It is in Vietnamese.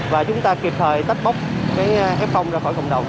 và chúng ta kịp thời tách bóc cái ép phong ra khỏi cộng đồng